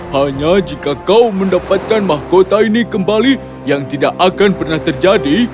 hanya jika kau mendapatkan mahkota ini kembali yang tidak akan pernah terjadi